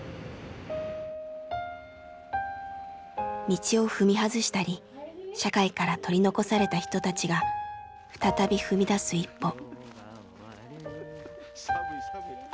道を踏み外したり社会から取り残された人たちが再び踏み出す一歩。